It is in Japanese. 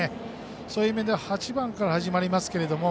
そういう面では８番から始まりますけれども